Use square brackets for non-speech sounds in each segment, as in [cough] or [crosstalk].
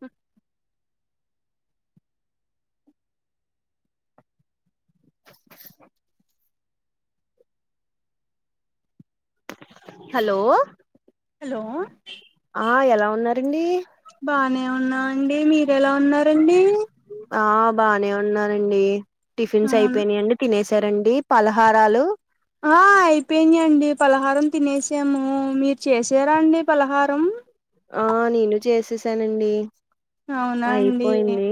మ్ hello hello ఆ ఎలా ఉన్నారండి బానే ఉన్నామండి మీరెలా ఉన్నారండి ఆ బానే ఉన్నానండి టిఫిన్స్ అవును అయిపోయినాయండి, తినసారండి? పలహారాలు ఆ అయిపోయినాయండీ పలహారం తినేసాము మీరు చేసారా అండి పలహారం? ఆ నేను చేసేసానండి అవునా అండి అయిపోయింది.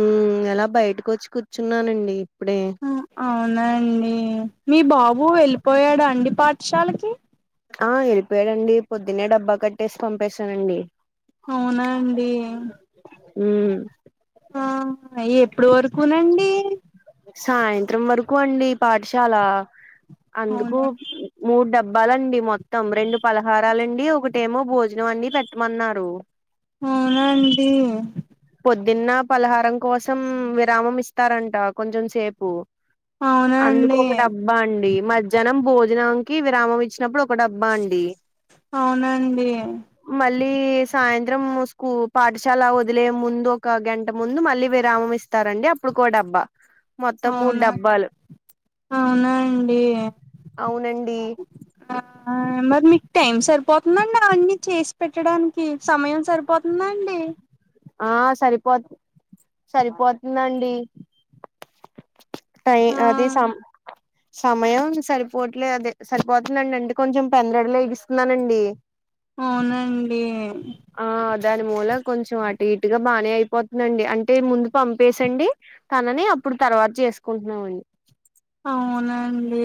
మ్ అలా బయటికి వచ్చి కూర్చున్నానండి ఇప్పుడే మ్ అవునా అండి మీ బాబు వెళ్ళిపోయాడా అండి పాఠశాలకి? ఆ వెళ్ళిపోయాడండి పొద్దునేే డబ్బా కట్టేసి పంపేశానండి అవునా అండి ఉ ఆ ఎప్పుడు వరకునండి సాయంత్రం వరకు అండి పాఠశాల అందుకు అవునండి మూడు డబ్బాలండి మొత్తం రెండు పలహారాలండి ఒకటేమో భోజనం అండి పెట్టమన్నారు అవునా అండి పొద్దున్న పలహారం కోసం విరామం ఇస్తారంట కొంచెం సేపు అందుకు అవునండి ఒక డ బ్బా అండి మధ్యాహ్నం భోజనానికి విరామం ఇచ్చినప్పుడు ఒక డబ్బా అండి అవునండి మళ్ళీ సాయంత్రం స్కూ పాఠశాల వ దిలే ముందు ఒక గంట ముందు మళ్ళీ విరామం ఇస్తారండి అప్పుడుకో డబ్బా మొత్తం మూడు అవునా డబ్బాలు అవునా అండి అవునండి ఆ మరి మీకు టైం సరిపోతుంద అంది అవన్నీ చేసి పెట్టడానికి సమయం సరిపోతుందండి ఆ సరిపోతుం సరిపోతుందండి టై ఆ అదే సం సమయం సరిపోవట్లే అదే సరిపోతుందండి అంటే కొంచెం తొందర [unintelligible] స్తున్నానండి అవునండి ఆ దాని మూల కొంచెం అటు ఇటుగ బానే అయిపో దండి అంటే ముందు పంపేసండి తనని అప్పుడు తర్వాత చేసుకుంటున్నామండి అవునండి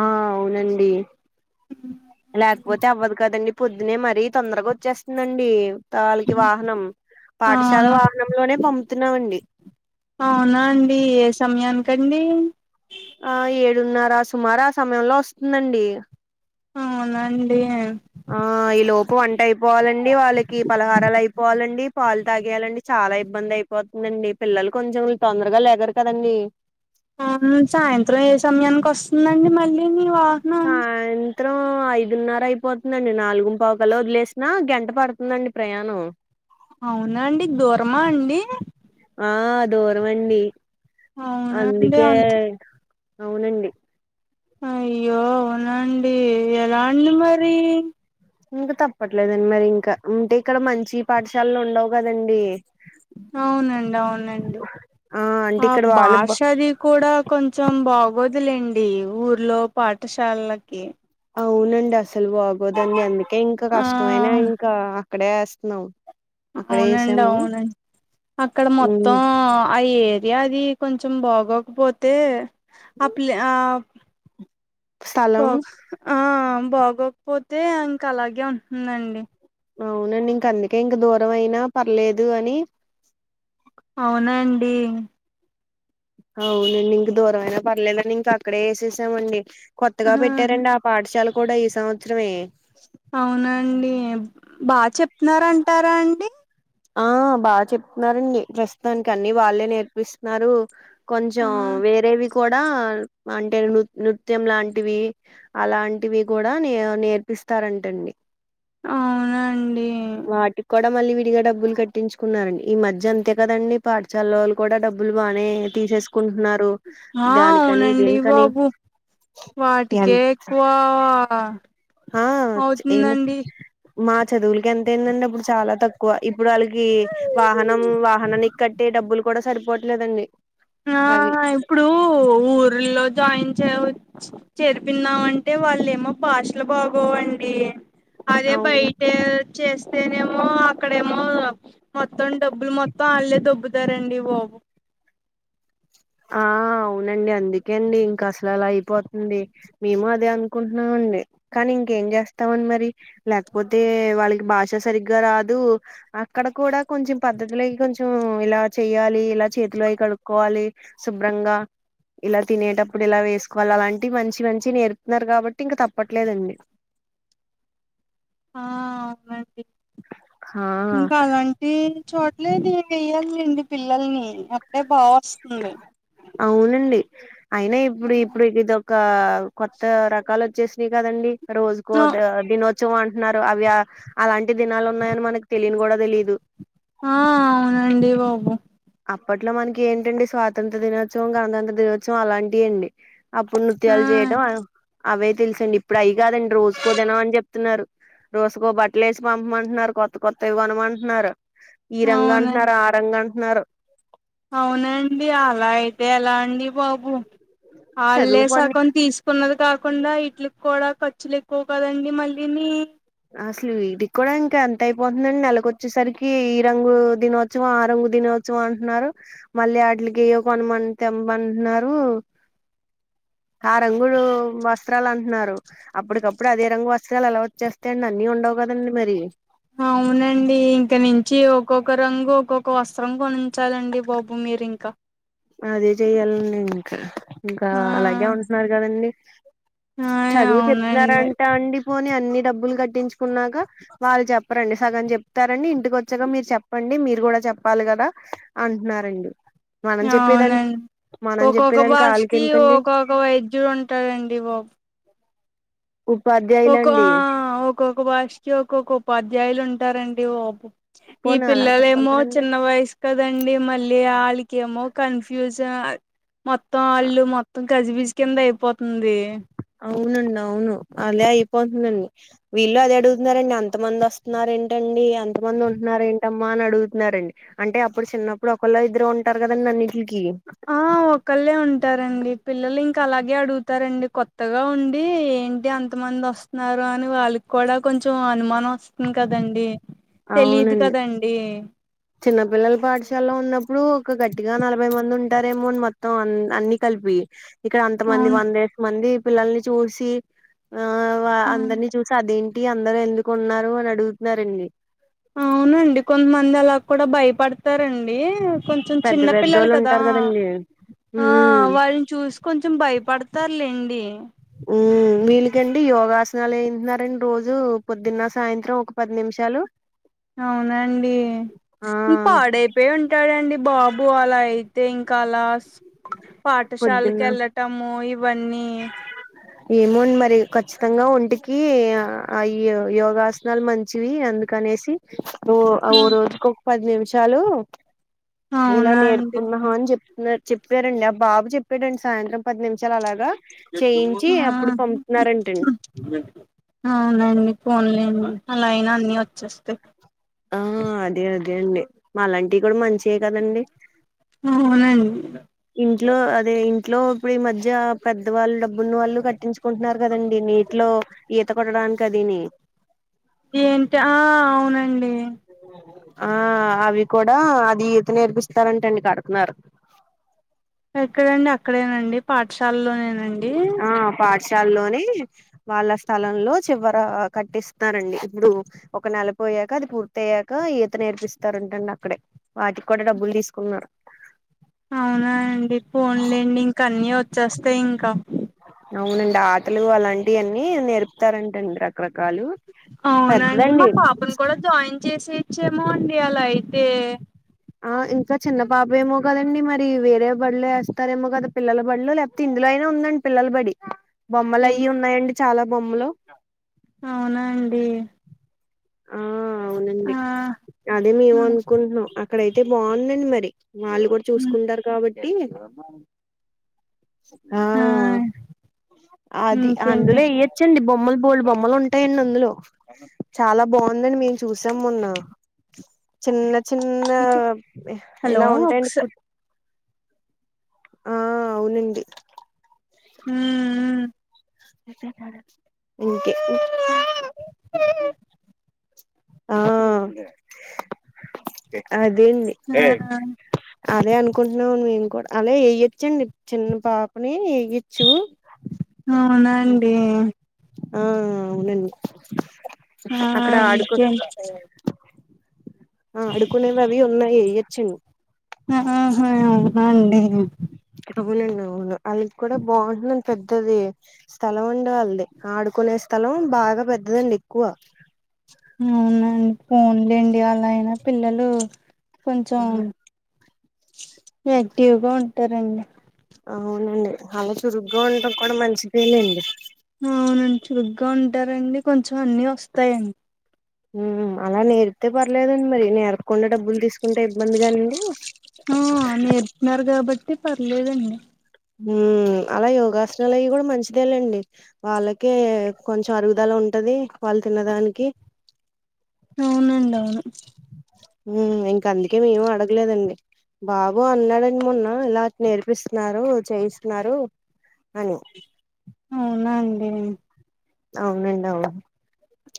ఆ అవునండి ఉ లేకపోతే అవ్వదు కదండి పొద్దునే మరీ తొందరగా వచ్చేస్తుందండి వాళ్ళకి వాహనం పాఠశాల అవును వాహనంలోనే పంపుతున్నామండి అవునా అండి ఏ సమయానికండి ఆ ఏడున్నర సుమారు ఆ సమయంలో వస్తుందండి అవునండి ఆ ఈ లోపు వంట అయిపోవాలండి వాళ్ళకి పలహారాల్ అయిపోవాలండి పాలు తాగెయాలండి చాలా ఇబ్బంది అయి పోతుందండి పిల్లలు కొంచెం తొందరగ లేగరు కదండి సాయంత్రం ఏ సమయానికి వస్తుందండి మళ్ళీ మీ వా [unintelligible] [unintelligible] ఐదున్నర అయిపోతుందండి నాలుగుం పావుకల్ల వదిలేసినా గంట పడుతుందండి ప్రయాణం అ అవునా అండి దూరమా అండి ఆ దూరం అండి అవునండి అందికే అంత అవునండి అయ్యో అవున అండి ఎలా అండి మరి ఇంక తప్పట్లేదండి మరి ఇంక ఉంటే ఇక్కడ మంచి పాఠశాలలు ఉండవు కదండి అవునండి అవునండి అంటే ఆ ఇక్కడ వాళ్ళు బ భాష అది కూడ కొంచెం బాగోదులేండి ఊర్లో పాఠశాలలకి అవునండి అసలు బాగోదండి అందుకే ఇంకా ఆ కష్టమైనా ఇంకా అక్కడే వేస్తున్నాం అక్కడే అవునండి వేసాము అవునండి అక్కడ ఉమ్ మొత్తం ఆ ఏరియా అది కొంచెం బాగోకపోతే ఆ ప్లే ఆ స్థలం బా ఆ బాగోకపోతే ఇంకా అలాగే ఉంటుందండి అవునండి ఇంక అందుకే ఇంక దూరం అయినా పర్లేదు అని అవునా అండి అవునండి ఇంక దూరమైన పర్లేదని ఇంక అక్కడే వేసేసామండి కొత్తగా ఆహా పెట్టారండి పాఠశాల కూడా ఈ సంవత్సరమే అవునండి బాగా చెప్తున్నారా అంటారా అండి ఆ బాగా చెప్తున్నారండి ప్రస్తుతానికి అన్ని వాళ్ళే నేర్పిస్తున్నారు ఆ కొంచెం వేరేవి కూడా అంటే నృ నృత్యం లాంటివి అలాంటివి కూడా నే నేర్పిస్తారంటండి అవునండి వాటికి కూడా మళ్ళీ విడిగా డబ్ డబ్బులు కట్టించుకున్నారండి ఈ మధ్య అంతే కదండి పాఠశాల వాళ్ళు కూడా డబ్బులు బానే తీసేసుకుంటున్నారు ఆ దానికని అవునండి దీనికని బాబు ఎంత వాటికే ఎక్కువ ఆ ఆ ఏమి మా చదువులకి ఎంత అయిందండి అప్పుడు చాలా తక్కువ ఎక్కువ ఇప్పుడు వాళ్ళకి వాహనం వాహనాన్ని కట్టే డబ్బులు కూడా సరిపోవట్లేదండి ఆ అవి ఇప్పుడు ఊర్లో జాయిన్ చేయచ్చు చేరిపిందామంటే వాళ్ళేమో భాషలు బాగోవండి అదే అవును బయట చేస్తేనేమో అక్కడేమో మొత్తం డబ్బులు మొత్తం వాళ్లే దబ్బుతారండి బాబు ఆ అవునండి అందుకే అండి ఇంకా అసలు అలా అయిపోతుంది మేము అదే అనుకుంటున్నామండి కానీ ఇంకేం చేస్తామని మరి లేకపోతే వాళ్ళకి భాష సరిగ్గా రాదు అక్కడ కూడా కొంచెం పద్ధతులయి కొంచెం ఇలా చెయాలి ఇలా చేతులు అయి కడుక్కోవాలి శుభ్రంగా ఇలా తినేటప్పుడు ఇలా వేసుకోవాలి అలాంటివి మంచి మంచి నేర్పుతున్నారు కాబట్టి ఇంక తప్పట్లేదండి ఆ అవునండి ఆ ఇంకా అలాంటి చోట్లే ది వెయ్యాలిండి పిల్లల్ని అప్పుడే బాగా వస్తుంది అవునండి అయినా ఇప్పుడు ఇప్పుడి ద ఒక కొత్త రకాలు వచ్చేసినాయి కదండి రోజుకో దినో చవం అంటున్నారు అవి అలాంటి దినాలు ఉన్నాయని మనకు తెలిను కూడా తెలీదు ఆ అవునండి బాబు అప్పట్లో మనకి ఏంటండి స్వాతంత్ర్య దినోత్సవం గణతంత్ర దినోత్సవం అలాంటివి అండి అప్పుడు ఆ నృత్యాలు చేయడం అవే తెలుసండి ఇప్పుడు అయి కాదండి రోజుకో దినం అని చెప్తున్నారు రోజుకో బట్టలు వేసి పంపమంటున్నారు కొత్త కొత్తయి కొనమంటున్నారు ఈ రంగు అవునం అంటున్నారు ఆ రంగు అంటున్నారు అవునండి అలా అయితే ఎలా అండి బాబు వాళ్లే చదువు పని సకం తీసుకు కున్నది కాకుండా ఇటిలికి కూడా ఖర్చులు ఎక్కువ కదండి మళ్ళీని అసలు వీటికి కూడా ఇంకా ఎంత అయిపోతుందండి నెలకొచ్చేసరికి ఈ రంగు దినోత్సవ ఆ రంగు దినో చవం అంటున్నారు మళ్ళీ అడ్లికి ఒక వన్మంత్ తెంబంటున్నారు ఆ రంగులు వస్త్రాలు అంటున్నారు అప్పటికప్పుడు అదే రంగు వస్త్రాలు ఎలా వచ్చేస్ అంతేండి అన్నీ ఉండవు కదండి మరి అవునండి ఇంక నుంచి ఒక్కొక్క రంగు ఒక్కొక్క వస్త్రం కొనించాలండి బాబు మీరు ఇంకా అదే చెయ్యాలండి ఇంకా ఇంకా ఆ అలాగే ఉంటున్నారు కదండి ఆ చదువు అవునండి చెప్తున్నారంట అండి పో అన్ని డబ్బులు కట్టించుకున్నాగా వాళ్ళు చెప్పరండి సగం చెప్తారండి ఇంటికి వచ్చగా మీరు చెప్పండి మీరు కూడా చెప్పాలి గదా అంటున్నారండి మనం చెప్ అవునండి ఒక్కొక్క బాష్కి ఎందుకండి ఒక్కొక్క వైద్యుడు ఉంటాడండి బాబు ఉపాధ్య ఒకా ఆ ఒక్కొక్క భాషకి ఒక్కొక్క ఉపాధ్యాయులు ఉంటారండి ఓపు ఈ పోనీ అలా పిల్లలు చెప్పాలి ఏమో కదండి చిన్న వయసు కదండి మళ్లీ ఆళ్ళకేమో కన్ఫ్యూజన్ మొత్తం ఆళ్ళు మొత్తం గజిబిజి కింద అయిపోతుంది అవునండి అవును అలా అయిపోతుందండి వీళ్ళు అదే అడుగుతున్నారండి అంతమంది వస్తున్నారేంటండీ అంతమంది ఉంటున్నారు ఏంటమ్మా అని అడుగుతున్నారండి అంటే అప్పుడు చిన్నప్పుడు ఒకళ్ళో ఇద్దరు ఉంటారు కదండి అన్నింటిలికి ఒకల్లే ఉంటారండి పిల్లలు ఇంకా అలాగే అడుగుతారండి కొత్తగా ఉండి ఏంటి అంతమంది వస్త్ న్నారు అని వాళ్ళకి కూడా కొంచెం అనుమానం వస్తుంది కదండి తెలీదు అవునండి కదండి చిన్నపిల్లల పాఠశాలలో ఉన్నప్పుడు ఒక గట్టిగా నలభై మంది ఉంటారేమోని మొత్తం అన్ని కలిపి ఇక్కడ అంతమంది అవును వందేసి మంది పిల్లల్ని చూసి ఆ అందరిని చూసి అది ఈ అందరు ఎందుకున్నారు అని అడుగుతున్నారండి అవునండి కొంతమంది అలా కూడా భయపడతారండి కొం కొంచం పెద్ద చిన్న పిల్లలు పెద్దోళ్ళు కదా ఉంటారు కదండి ఆ ఉమ్ వాల్ చూసి కొంచెం భయపడతారులేండి మ్మ్ వీళ్ళకండి యోగాసనాలు వేయితూన్నారండి రోజు పొద్దున సాయంత్రం ఒక పది నిమిషాలు హమ్ అవునాండి పాడై అదే అంటాడండీ బాబు అలా అయితే ఇంకా అలాస్ పాఠశాలకి పొద్దున్న వెళ్ల టం ఇవి అన్నీ ఏమోండి మరి ఖచ్చితంగా ఒంటికి అయ్యో యోగాస్ నాలు మంచివి అందుకనేసి రో ఓ రోజుకు ఒక పది నిమిషాలు ఇలా అవునా అండి నేర్పుకున్నాం అని చెప్ ఇలా చెప్పారండి ఆ బాబు చెప్పాడండి సాయంత్రం పది నిమిషాలు అలాగా చేయించి ఆ అప్పుడు పంపుతున్నారంటండి అవునండి ఫోన్లేండి అలా అయినా అన్ని వచ్చేస్తాయి ఆ అదే అదే అండి మాలాంటివి కూడా మంచియే కదండి అవునండి ఇంట్లో అదే ఇంట్లో ఇప్పుడు ఈ మధ్య పెద్దవాళ్ళు డబ్బున్న వాళ్ళు కట్టించు కుంటున్నారు కదండి నీట్లో ఈత కొట్టడానికి అది ని ఏంటా ఆ అవునండి ఆ అవి కూడా అది ఈత నేర్పిస్తారంటండి కడుతున్నారు ఎక్కడండి అక్కడేనండి పాఠశాలలోనేనండి ఆ పాఠశాల్లోనే వాళ్ళ స్థలంలో చివర కట్టిస్తున్నారండి ఇప్పుడు ఒక నెల పోయాక అది పూర్తి అయ్యాకా ఈత నేర్పిస్తారంటండి అక్కడే వాటికి కూడా డబ్బులు తీసుకున్నారు. అవునా అండి ఫోన్లేండి ఇంక అన్నీ వచ్చేస్తాయ్ ఇంకా అవునండి ఆటలు అలాంటియన్నీ నేర్పుతారంటండి రకరకాలూ అవునండి మా పాపను కూడా జాయిన్ చేసేయచ్చు ఏమో అండి అలా అయితే ఆ ఇంకా చిన్న పాపేమో కదండి మరీ వేరే బల్లో వేస్తారేమో కద పిల్లల బల్లో లేకపోతే ఇందులో అయినా ఉందన్ పిల్లల్ బడి బొమ్మలు అయ్యి ఉన్నాయండి చాలా బొమ్మలు అవునా అండీ ఆ అవునండి ఆ అదే మేము అనుకుంటున్నాం అక్కడయితే బావుందడి మరి వాళ్ళు కూడ చూసుకుంటారు కాబట్టీ ఆ అది ఇంకేంటి అందులో ఇయప్ చ్చండి బొమ్మలు బోల్డ్ బొమ్మలు ఉంటాయండి అందులో చాలా బాందండి మీల్స్ చూసాం మొన్నా చిన్న చిన్నా హలో ఇలా ఉంటాయండి ఒకస కుట్ ఆ అవునండి హ ఓకే ఆ అదేంది మ్మ్ ఆ అదే అనుకుంటున్నాము మేము కూడా అదే వేయొచ్చండి చిన్న పాపనీ వేయచ్చూ అవునా అండీ ఆ అవునవునండి ఆ అయితేం ఆ అడుకునేది అదీ అయినా ఏయొచ్చేమో ఆ అయిండేమో అవ్వలేదు ఇంగా ఊర్లో ఆల్లది కూడా బావుంటుందండి పెద్దదీ స్థలం ఉండే వాల్దీ ఆడుకునే స్థలం బాగ పెద్దదండి ఎక్కువ ఇంగ అవునా అండి ఫోన్లేండి అలా అయినా పిల్లలూ కొంచెం యాక్టివ్గా ఉంటరండి. అవున్లే అలా చురుగ్గా ఉండటం కూడా మంచిదే లేండి అవునండి చురుగ్గా ఉంటారండి కొంచెం అన్నీ వస్తాయండి ఊ అలా నేర్పితే పర్లేదండి మరి నేర్పకుండా డబ్బులు తీసుకుంటే ఇబ్బంది కానీండీ ఆ నేర్పినారు కాబట్టి పర్లేదండి. ఊ అలా యోగాసనాలు అయ్ కూడా మంచిదేలేండి వాళ్ళకే కొంచెం అరుగుదల ఉంటదీ వాళ్ళు తిన్నదానికీ అవునండి అవును ఊ ఇంక అందుకే మేము అడగలేదండి బాబో అన్నాడని మొన్నా ఇలా నేర్పిస్తున్నారు చేయిస్తున్నారు అనీ అవునా అండి అవునండి అవును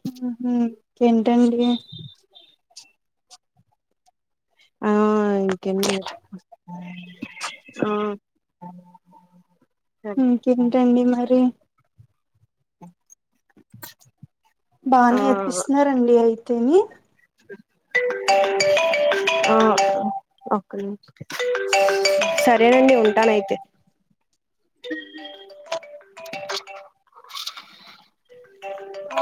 ఊహు ఇంకేంటండి ఆ ఇంకేం లేదు చెప్పు ఆ సరే ఇంకేంటండి మరీ [unintelligible] బా ఆ నేర్పిస్తున్నారండి అయితేనీ ఆ [unintelligible] ఆ ఒక్క నిమిషం సరేనండి ఉంటానయితే ఆ